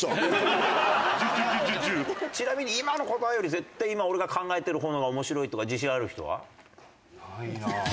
ちなみに今の答えより絶対今俺が考えてる方のが面白いとか自信ある人は？ないなあ。